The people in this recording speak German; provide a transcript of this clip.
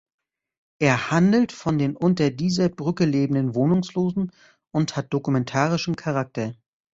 Er handelt von den unter dieser Brücke lebenden Wohnungslosen und hat dokumentarischen Charakter.